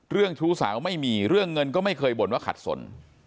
ชู้สาวไม่มีเรื่องเงินก็ไม่เคยบ่นว่าขัดสน